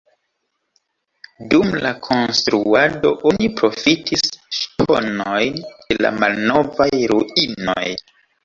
Dum la konstruado oni profitis ŝtonojn de la malnovaj ruinoj.